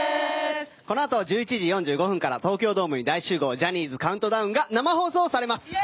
このあと１１時４５分から東京ドームに大集合「ジャニーズカウントダウン」が生放送されます。